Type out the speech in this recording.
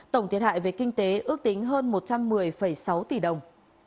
tổng thiệt hại về kinh tế ước tính hơn một trăm một mươi sáu tỷ đồng